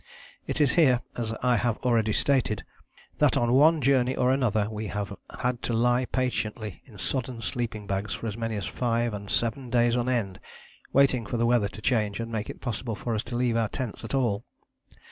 It is here, as I have already stated, that on one journey or another we have had to lie patiently in sodden sleeping bags for as many as five and seven days on end, waiting for the weather to change and make it possible for us to leave our tents at all.